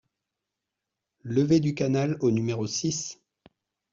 Levée du Canal au numéro six